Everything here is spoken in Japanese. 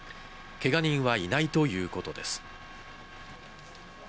けが人はいないということです。